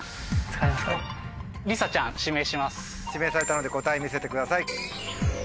指名されたので答え見せてください。